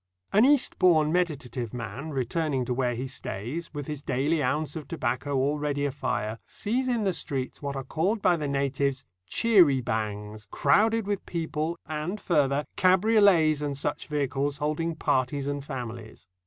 An Eastbourne meditative man returning to where he stays, with his daily ounce of tobacco already afire, sees in the streets what are called by the natives "cherry bangs," crowded with people, and, further, cabriolets and such vehicles holding parties and families.